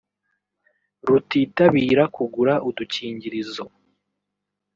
rutitabira kugura udukingirizo